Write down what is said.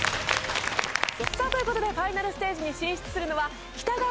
さあという事でファイナルステージに進出するのは北川